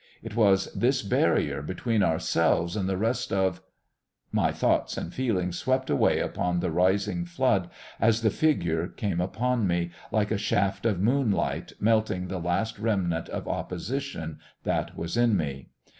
It was this barrier between ourselves and the rest of ... My thoughts and feelings swept away upon the rising flood as the "figure" came upon me like a shaft of moonlight, melting the last remnant of opposition that was in me.